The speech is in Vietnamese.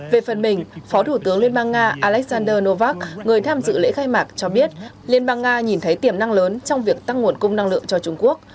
về phần mình phó thủ tướng liên bang nga alexander novak người tham dự lễ khai mạc cho biết liên bang nga nhìn thấy tiềm năng lớn trong việc tăng nguồn cung năng lượng cho trung quốc